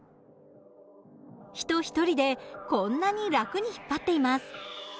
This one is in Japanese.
人一人でこんなに楽に引っ張っています。